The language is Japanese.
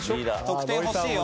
得点欲しいよ。